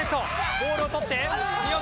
ボールを取って三好。